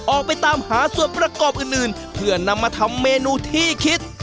ออกไปตามหาส่วนประกอบอื่นเพื่อนำมาทำเมนูที่คิด